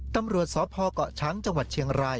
ตำรวจสพเกาะช้างจังหวัดเชียงราย